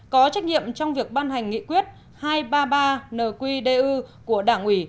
có trách nhiệm trong việc ban hành nghị quyết hai trăm ba mươi ba nqdu của đảng ủy